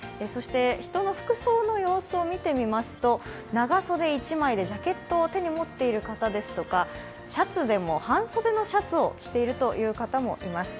人の服装の様子を見てみますと長袖１枚でジャケットを手に持っている方ですとか半袖のシャツを着ている方もいます。